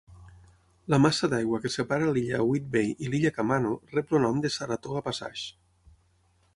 La massa d'aigua que separa l'illa Whidbey i l'illa Camano rep el nom de Saratoga Passage.